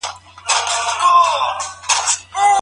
پخوانیو مشرانو خپلو پیروانو ته یوازي عقدې انتقال کړې دي.